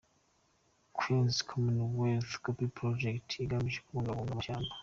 Queen’s Commonwealth Canopy Projet ugamije kubungabunga amashyamba;